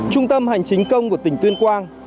trung tâm hành chính công của tỉnh tuyên quang